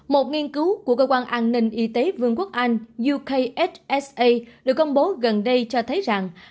một nghiên cứu của cơ quan an ninh y tế vương quốc anh yuksa được công bố gần đây cho thấy rằng